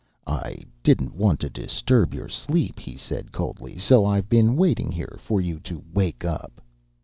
"I didn't want to disturb your sleep," he said coldly. "So I've been waiting here for you to wake up."